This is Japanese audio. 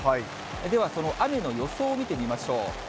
では、その雨の予想を見てみましょう。